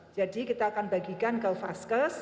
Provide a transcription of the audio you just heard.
jadi kita akan bagikan ke vaskes